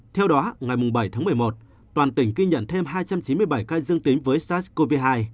theo đó ngày bảy tháng một mươi một toàn tỉnh ghi nhận thêm hai trăm chín mươi bảy ca dương tính với sars cov hai